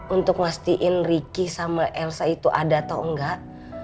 untuk ngastiin riki sama elsa itu ada atau enggak